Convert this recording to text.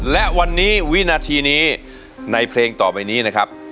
และวันนี้วินาทีนี้ในเพลงต่อไปนี้นะครับ